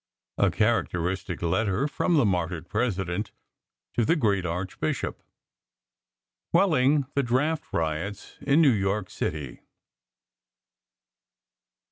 A characteristic letter from the martyred President to the great Archbishop. Quelling the draft riots in New York city.